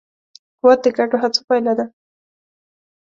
قوت د ګډو هڅو پایله ده.